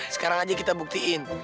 sekarang aja kita buktiin